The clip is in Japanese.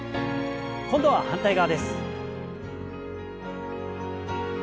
今度は反対側です。